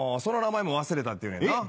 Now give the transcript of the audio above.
その名前も忘れたって言うねんな。